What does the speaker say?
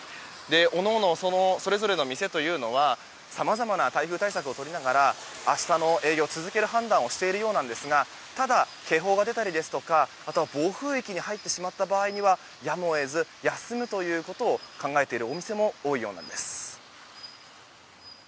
各々、それぞれの店というのはさまざまな台風対策をとりながら明日の営業を続ける判断をしているそうなんですがただ、警報が出たりですとか暴風域に入ってしまった場合にはやむを得ず、休むということを考えているお店も多いようなんです。